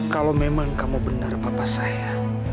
kalau memang kamu benar bapak saya